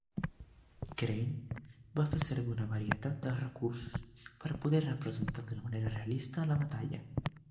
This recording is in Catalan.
Crane va fer servir una varietat de recursos per poder representar d'una manera realista la batalla.